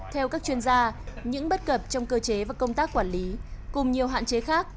theo các chuyên gia những bất cập trong cơ chế và công tác quản lý cùng nhiều hạn chế khác